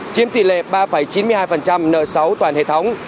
chiếm tỷ lệ ba chín mươi hai nợ xấu toàn hệ thống